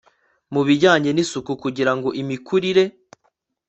muubijyanye nisuku kugirango imikurire